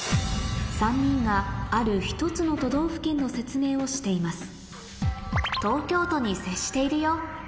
３人がある１つの都道府県の説明をしています